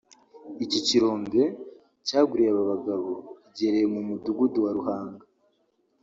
Iki kirombe cyagwiriye aba bagabo giherereye mu Mudugudu wa Ruhanga